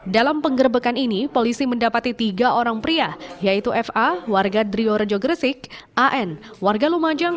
dalam penggerbekan ini polisi mendapati tiga orang pria yaitu fa warga driorejo gresik an warga lumajang